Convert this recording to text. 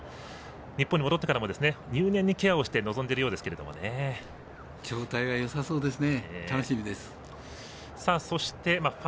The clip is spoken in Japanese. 日本に戻ってからも入念にケアをして状態はよさそうですね。